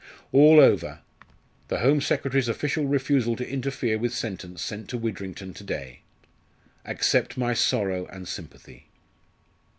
"All over. The Home Secretary's official refusal to interfere with sentence sent to Widrington to day. Accept my sorrow and sympathy."